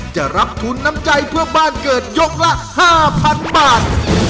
จะรับทุนน้ำใจเพื่อบ้านเกิดยกละ๕๐๐๐บาท